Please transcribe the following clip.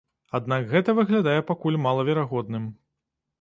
Аднак гэта выглядае пакуль малаверагодным.